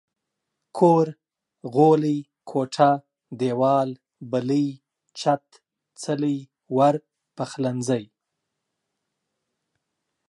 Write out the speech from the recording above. کور ، غولی، کوټه، ديوال، بلۍ، چت، څلی، ور، پخلنځي